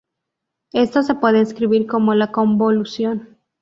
Esto se puede escribir como la convolución.